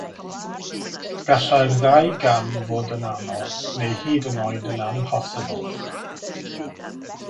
Gallai'r ddau gam fod yn anodd neu hyd yn oed yn amhosibl.